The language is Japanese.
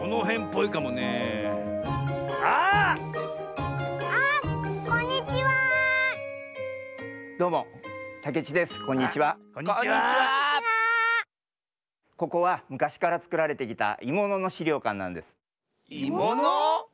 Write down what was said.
いもの？